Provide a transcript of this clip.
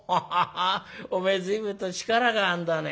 お前随分と力があんだね。